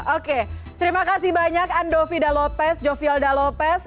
oke terima kasih banyak andovi da lopez jofi alda lopez